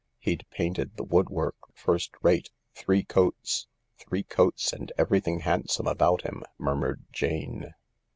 "He'd painted the woodwork first rate, three coats." "Three coats, and everything handsome about him," murmured Jane.